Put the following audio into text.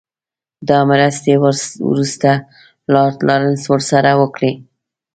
دا مرستې وروسته لارډ لارنس ورسره وکړې.